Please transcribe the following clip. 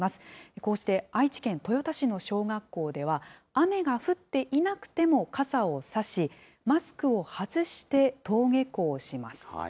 こうして愛知県豊田市の小学校では、雨が降っていなくても傘を差し、マスクを外して登下校します。